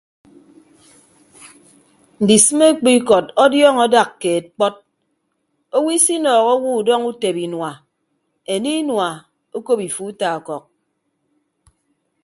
Ndisịme ekpu ikọt ọdiọọñọ adak keed kpọt owo isinọọhọ owo udọñọ utebe inua enie inua okop ifu uta ọkọk.